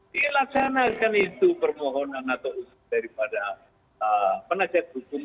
dilaksanakan itu permohonan atau daripada penasihat hukum